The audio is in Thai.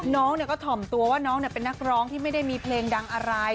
น้องก็ถ่อมตัวว่าน้องเป็นนักร้องที่ไม่ได้มีเพลงดังอะไร